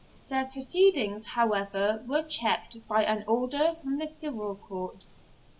Their proceedings, however, were checked by an order from the civil court.